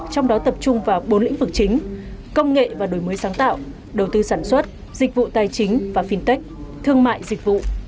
trong đó tập trung vào bốn lĩnh vực chính công nghệ và đổi mới sáng tạo đầu tư sản xuất dịch vụ tài chính và fintech thương mại dịch vụ